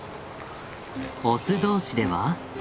オス同士では。